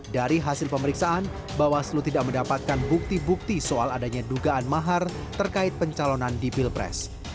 dari hasil pemeriksaan bawaslu tidak mendapatkan bukti bukti soal adanya dugaan mahar terkait pencalonan di pilpres